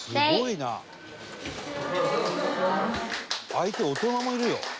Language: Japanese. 「相手大人もいるよ」